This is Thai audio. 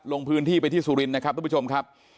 ลงพื้นที่ไปที่สุรินทร์นะครับทุกผู้ชมครับ